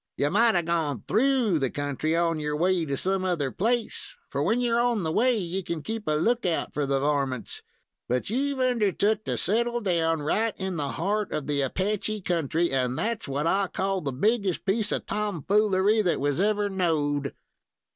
You might have gone through the country on your way to some other place, for, when you're on the way, you can keep a lookout for the varmints; but you've undertook to settle down right in the heart of the Apache country, and that's what I call the biggest piece of tom foolery that was ever knowed."